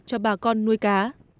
cho bà con nuôi cá